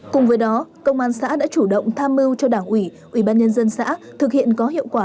cùng với đó công an xã đã chủ động tham mưu cho đảng ủy ủy ban nhân dân xã thực hiện có hiệu quả